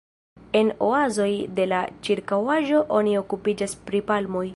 En oazoj de la ĉirkaŭaĵo oni okupiĝas pri palmoj.